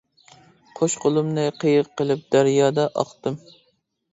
قوش قۇلۇمنى قېيىق قىلىپ دەريادا ئاقتىم.